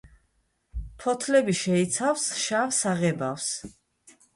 ფოთლები შეიცავს შავ საღებავს.